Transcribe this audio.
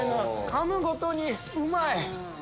かむごとにうまい！